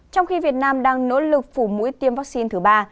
trong khi việt nam đang nỗ lực phủ mũi tiêm vaccine thứ ba